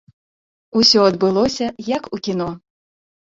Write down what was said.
Усё адбылося, як у кіно.